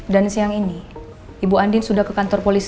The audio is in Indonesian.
dan siang ini ibu andin sudah ke kantor polisi